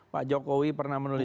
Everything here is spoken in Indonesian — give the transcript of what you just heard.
pak jokowi pernah menulis